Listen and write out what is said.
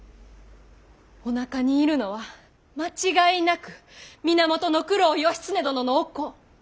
おなかにいるのは間違いなく源九郎義経殿のお子。